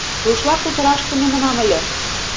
Рушла кутыраш тунемынам ыле.